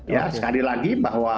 ya sekali lagi